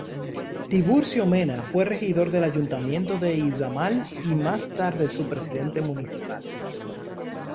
Tiburcio Mena fue regidor del Ayuntamiento de Izamal y más tarde su Presidente Municipal.